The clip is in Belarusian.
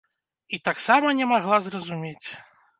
І таксама не магла зразумець.